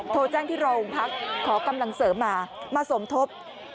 โทรแจ้งที่โรงพักขอกำลังเสริมมามาสมทบ